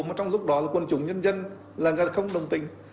mà trong lúc đó là quân chủng nhân dân là không đồng tình